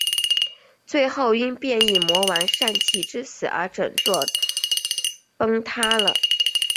最后因变异魔王膻气之死而整座崩塌了。